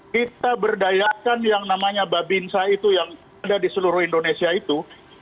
kita berdayakan yang namanya babinsa itu yang ada di seluruh indonesia itu